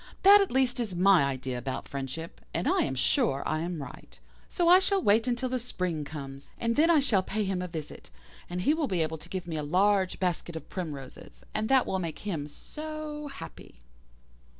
That at least is my idea about friendship, and I am sure I am right. So I shall wait till the spring comes, and then I shall pay him a visit, and he will be able to give me a large basket of primroses and that will make him so happy.